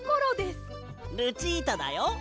ルチータだよ！